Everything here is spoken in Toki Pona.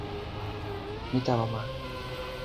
mi tawa ma.